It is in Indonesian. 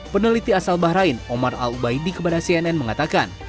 peneliti asal bahrain omar al ubaidi kepada cnn mengatakan